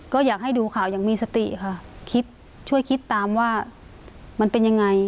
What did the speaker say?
ก็อยากให้ดูข่าวอย่างมีสติค่ะคิดช่วยคิดตามว่ามันเป็นยังไง